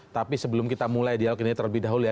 tapi sebelum kita mulai dialog ini terlebih dahulu ya